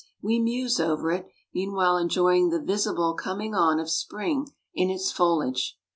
We muse over it, meanwhile enjoying the visible coming on of spring in its foliage.